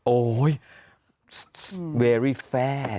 โอ้โฮสตรงเกิด